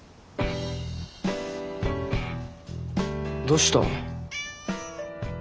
どうした？